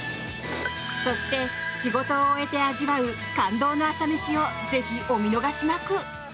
そして仕事を終えて味わう感動の朝メシをぜひお見逃しなく。